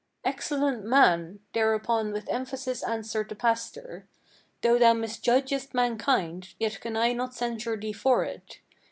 "Excellent man!" thereupon with emphasis answered the pastor: "Though thou misjudgest mankind, yet can I not censure thee for it.